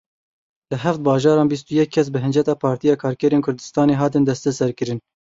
Li heft bajaran bîst û yek kes bi hinceta Partiya Karkerên Kurdistanê hatin destesekirin.